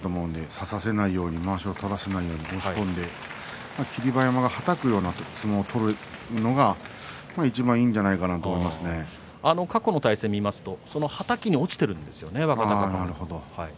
差させないようにまわしを取らせないように押し込んで霧馬山は、はたくような相撲を取るのがいちばんいいんじゃないかなと過去の対戦を見ますとはたきに落ちているんですよね、若隆景。